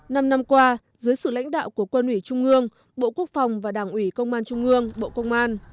năm năm qua dưới sự lãnh đạo của quân ủy trung ương bộ quốc phòng và đảng ủy công an trung ương bộ công an